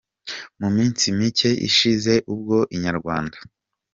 Mu minsi micye ishize ubwo Inyarwanda.